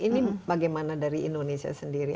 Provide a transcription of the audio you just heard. ini bagaimana dari indonesia sendiri